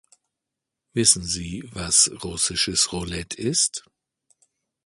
Wissen Sie, was russisches Roulette ist?